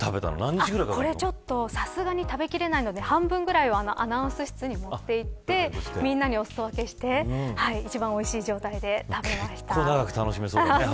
さすがに食べ切れないので半分ぐらいをアナウンス室に持っていってみんなにお裾分けして一番おいしい状態で食べました。